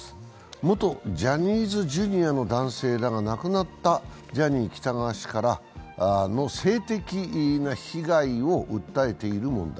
元ジャニーズＪｒ．の男性らが亡くなったジャニー喜多川氏からの性的な被害を訴えている問題。